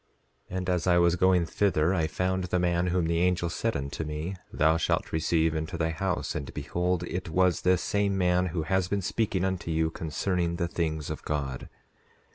And as I was going thither I found the man whom the angel said unto me: Thou shalt receive into thy house—and behold it was this same man who has been speaking unto you concerning the things of God.